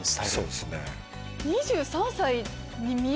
そうですね。